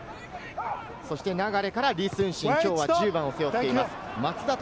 流から李承信、きょうは１０番を背負っています。